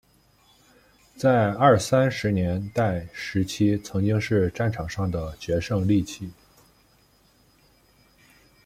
在二三十年代时期曾经是战场上的决胜利器。